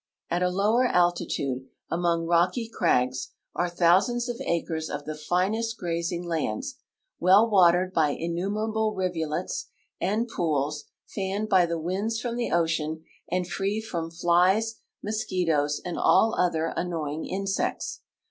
At a lower altitude, among rocky crags, are thousands of acres of the finest grazing lands, well watered by innumerable rivulets and pools, fanned by the winds from the ocean, and free from flies, mosquitoes, and all other annoying insects.